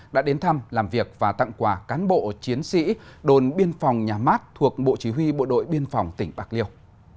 đã đến thăm làm việc và tặng quà cán bộ chiến sĩ đồn biên phòng nhà mát thuộc bộ chỉ huy bộ đội biên phòng tỉnh bạc liêu